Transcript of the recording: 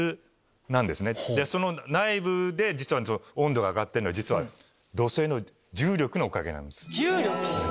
内部で実は温度が上がってるのは土星の重力のおかげなんです。